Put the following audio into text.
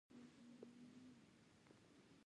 باران د افغان کلتور او لرغوني تاریخ سره تړاو لري.